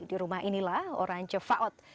di rumah inilah orang cefaot